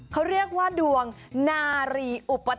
เขาเรียกว่าดวงนารีอุปถ